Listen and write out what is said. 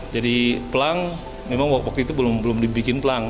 jadi pelang memang waktu itu belum dibikin pelang